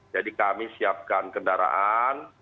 jadi kami siapkan kendaraan